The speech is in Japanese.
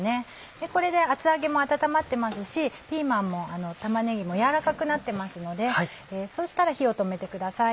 でこれで厚揚げも温まってますしピーマンも玉ねぎも軟らかくなってますのでそしたら火を止めてください。